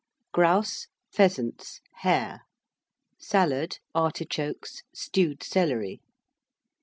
Grouse. Pheasants. Hare. Salad. Artichokes. Stewed Celery.